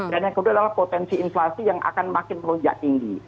dan yang kedua adalah potensi inflasi yang akan makin merunjak tinggi